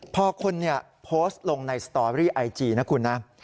พอคนโพสต์ลงในสตอรี่ไอจีนะคุณนะ